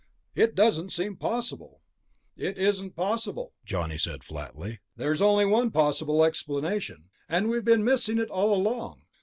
"It doesn't seem possible." "It isn't possible," Johnny said flatly. "There's only one possible explanation, and we've been missing it all along.